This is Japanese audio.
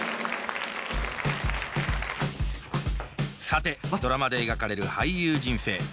さてドラマで描かれる俳優人生。